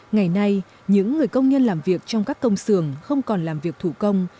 ngày nay những người công nhân làm việc trong các công sưởng không còn làm việc thủ công